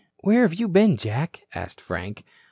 "Where have you been, Jack?" asked Frank.